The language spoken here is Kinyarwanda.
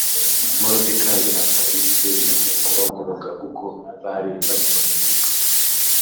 Moridekayi asaba Esiteri kubagoboka kuko bari basumirijwe